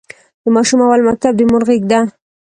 د ماشوم اول مکتب د مور غېږ ده.